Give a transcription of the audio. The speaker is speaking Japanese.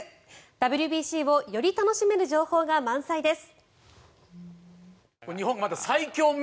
ＷＢＣをより楽しめる情報が満載です。